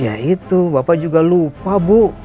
ya itu bapak juga lupa bu